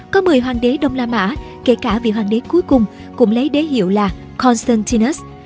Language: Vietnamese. có một mươi hoàng đế đông la mã kể cả vị hoàng đế cuối cùng cũng lấy đế hiệu là constantinus